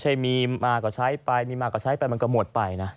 ใช่มีมาก็ใช้ไปมีมาก็ใช้ไปมันก็หมดไปนะ